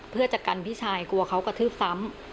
เพื่อจะกันพี่ชายกลัวเขากระทืบซ้ำ